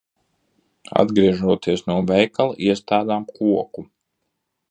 Atgriežoties no veikala, iestādām koku.